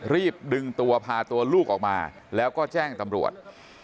รีบดึงตัวพาตัวลูกออกมาแล้วก็แจ้งตำรวจ